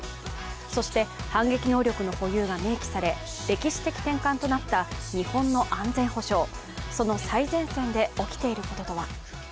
そして反撃能力の保有が明記され歴史的転換となった日本の安全保障、その最前線で起きていることとは？